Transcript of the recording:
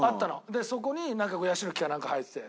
そこにヤシの木かなんか生えてて。